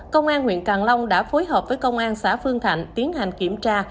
công an huyện càng long đã phối hợp với công an xã phương thạnh tiến hành kiểm tra